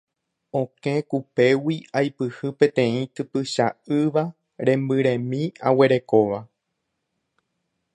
Okẽ kupégui aipyhy peteĩ typycha ýva rembyremi aguerekóva.